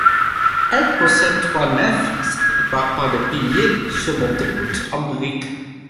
Elle possède trois nefs séparées par des piliers surmontés de voûtes en briques.